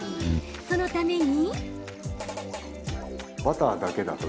そのために。